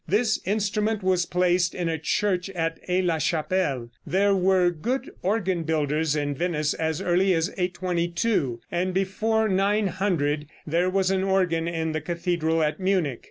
This instrument was placed in a church at Aix la Chapelle. There were good organ builders in Venice as early as 822, and before 900 there was an organ in the cathedral at Munich.